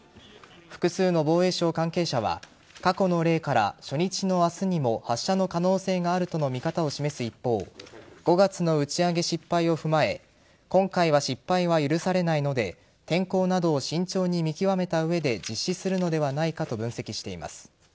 複数の防衛省関係者は過去の例から、初日の明日にも発射の可能性があるとの見方を示す一方５月の打ち上げ失敗を踏まえ今回は失敗は許されないので天候などを慎重に見極めた上で実施するのではないかと分析しています。